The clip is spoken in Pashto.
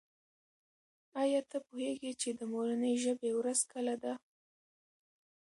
آیا ته پوهېږې چې د مورنۍ ژبې ورځ کله ده؟